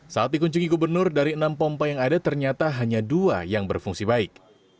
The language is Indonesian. saat dikunjungi gubernur dari enam pompa yang ada ternyata hanya dua yang berfungsi baik